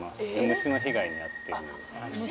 虫の被害に遭っている。